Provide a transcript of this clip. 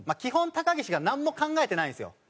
高岸がなんも考えてないんですよ。